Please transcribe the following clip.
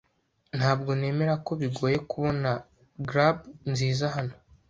Ntabwo nemera ko bigoye kubona grub nziza hano.